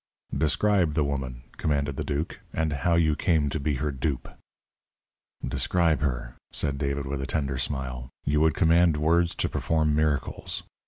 "Describe the woman," commanded the duke, "and how you came to be her dupe." "Describe her!" said David with a tender smile. "You would command words to perform miracles.